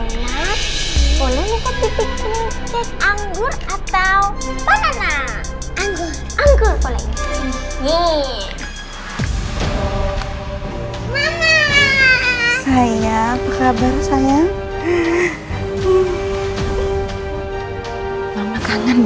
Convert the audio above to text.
siap lainan boleh lihat di pikir pikir kayak anggur atau banana